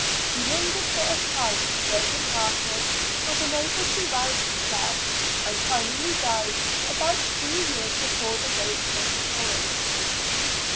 He lingered for a time, broken hearted and unable to rouse himself, and finally died about three years before the date of this story.